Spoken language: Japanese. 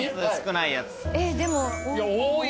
えっでも多い。